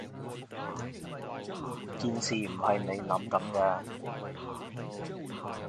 件事唔係你諗噉㗎